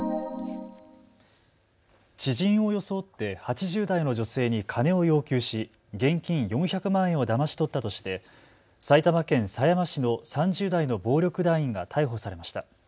知人を装って８０代の女性に金を要求し現金４００万円をだまし取ったとして埼玉県狭山市の３０代の暴力団員が逮捕されました。